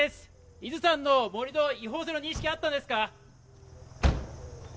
伊豆山の盛り土、違法性の認識はあったんですか？